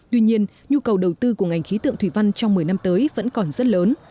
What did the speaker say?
tuy nhiên nhu cầu đầu tư của ngành khí tượng thủy văn trong một mươi năm tới vẫn còn rất lớn